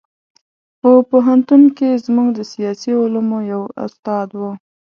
په پوهنتون کې زموږ د سیاسي علومو یو استاد و.